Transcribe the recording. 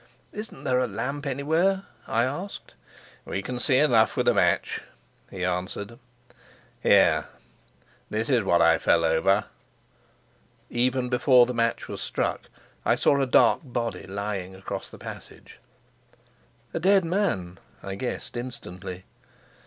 "Isn't there a lamp anywhere?" I asked. "We can see enough with a match," he answered. "Here, this is what I fell over." Even before the match was struck I saw a dark body lying across the passage. "A dead man?" I guessed instantly.